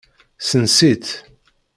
Sens-itt.